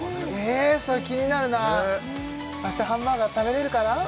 えそれ気になるな明日ハンバーガー食べれるかな？